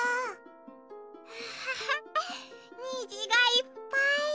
アハハにじがいっぱい。